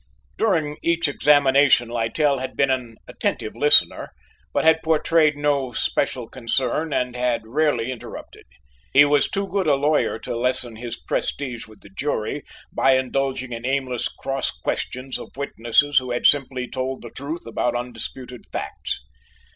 During each examination Littell had been an attentive listener, but had portrayed no special concern and had rarely interrupted. He was too good a lawyer to lessen his prestige with the jury by indulging in aimless cross questions of witnesses who had simply told the truth about undisputed facts.